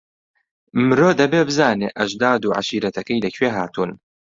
مرۆ دەبێ بزانێ ئەژداد و عەشیرەتەکەی لەکوێ هاتوون.